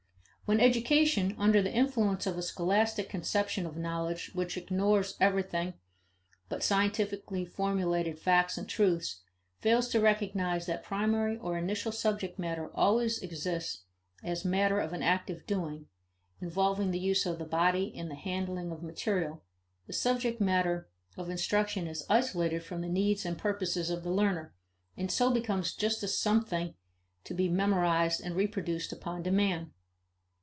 When education, under the influence of a scholastic conception of knowledge which ignores everything but scientifically formulated facts and truths, fails to recognize that primary or initial subject matter always exists as matter of an active doing, involving the use of the body and the handling of material, the subject matter of instruction is isolated from the needs and purposes of the learner, and so becomes just a something to be memorized and reproduced upon demand.